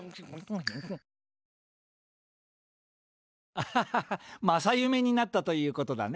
アハハハ正夢になったということだね。